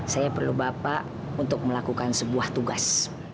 saya perlu bapak untuk melakukan sebuah tugas